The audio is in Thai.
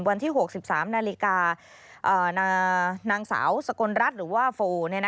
วันที่๖พฤษภาคม๑๓นนางสาวสกลรัชหรือว่าฟู